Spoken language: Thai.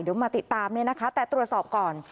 เดี๋ยวมาติดตามเนี่ยนะคะแต่ตรวจสอบก่อน